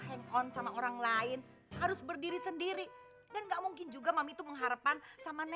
hang on sama orang lain harus berdiri sendiri dan nggak mungkin juga mami itu mengharapkan sama